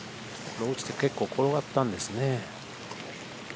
結構転がったんですね。